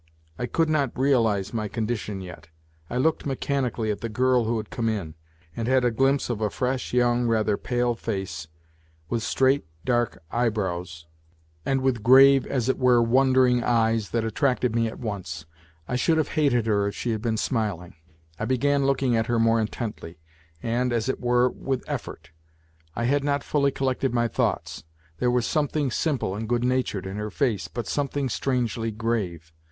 I could not realize my condition yet. I looked mechanically at the girl who had come in : and had a glimpse of a fresh, young, rather pale face, with straight, dark 118 NOTES FROM UNDERGROUND eyebrows, and with grave, as it were wondering, eyes that attracted me at once ; I should have hated her if she had been smiling. I began looking at her more intently and, as it were, with effort. I had not fully collected my thoughts. There was something simple and good natured in her face, but something strangely grave.